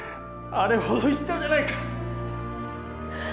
あれほど言ったじゃないか。